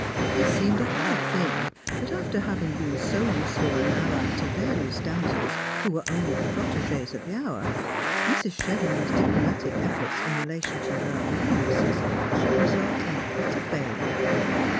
It seemed a hard thing that, after having been so useful an ally to various damsels who were only the protegees of the hour, ]\Irs. Chevenix's diplomatic efforts ic relation to her own nieces should result iu utter failure.